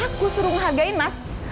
aku suruh ngehargain mas